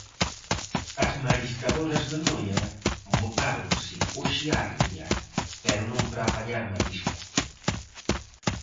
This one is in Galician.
As mariscadoras de Noia botáronse hoxe á ría, pero non para apañar marisco.